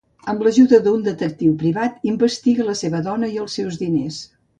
Amb l'ajuda d'un detectiu privat, investiga la seva dona i els seus diners.